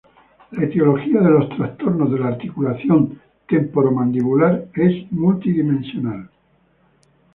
La etiología de los trastornos de la articulación temporomandibular es multidimensional.